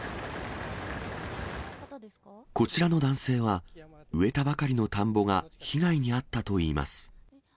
こちらの男性は、植えたばかりの田んぼが被害に遭ったといいます。